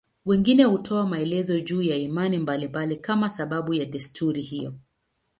Wengine hutoa maelezo juu ya imani mbalimbali kama sababu ya desturi hiyo.